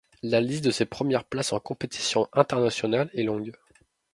La liste de ses premières places en compétition internationale est longue.